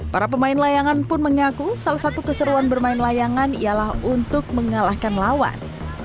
para pemain layangan pun mengaku salah satu keseruan bermain layangan ialah untuk mengalahkan lawan